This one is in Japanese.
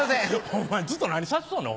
ホンマにずっと何さしとんねん。